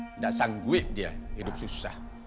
tidak sangguih dia hidup susah